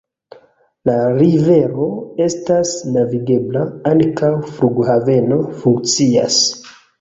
La rivero estas navigebla, ankaŭ flughaveno funkcias.